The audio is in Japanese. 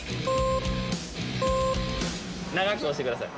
長く押してください。